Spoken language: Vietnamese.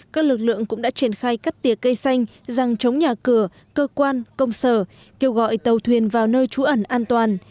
các lực lượng cũng đã triển khai cắt tiệc cây xanh răng chống nhà cửa cơ quan công sở kêu gọi tàu thuyền vào nơi trú ẩn an toàn